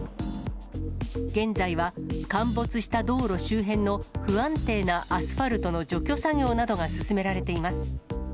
現在は陥没した道路周辺の不安定なアスファルトの除去作業などが進められています。